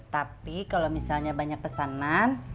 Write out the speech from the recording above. tapi kalau misalnya banyak pesanan